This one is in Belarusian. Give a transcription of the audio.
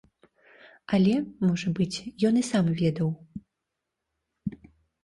Але, можа быць, ён і сам ведаў.